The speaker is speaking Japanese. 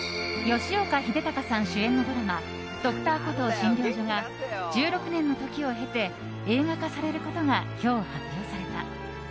吉岡秀隆さん主演のドラマ「Ｄｒ．コトー診療所」が１６年の時を経て映画化されることが今日、発表された。